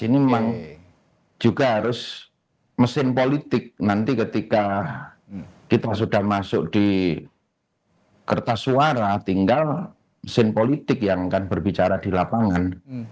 ini memang juga harus mesin politik nanti ketika kita sudah masuk di kertas suara tinggal mesin politik yang akan berbicara di lapangan